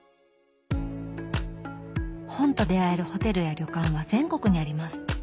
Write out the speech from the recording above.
本と出会えるホテルや旅館は全国にあります。